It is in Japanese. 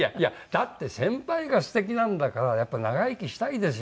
だって先輩が素敵なんだからやっぱ長生きしたいですよ。